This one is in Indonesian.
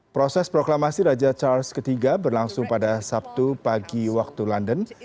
proses proklamasi raja charles iii berlangsung pada sabtu pagi waktu london